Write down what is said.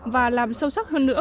và làm sâu sắc hơn nữa